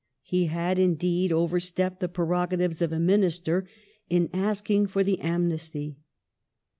He had, indeed, overstepped the prerogatives of a Minister in asking for the amnesty.